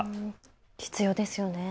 必要ですよね。